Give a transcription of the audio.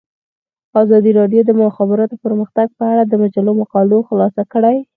ازادي راډیو د د مخابراتو پرمختګ په اړه د مجلو مقالو خلاصه کړې.